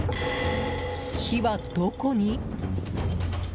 火はどこに？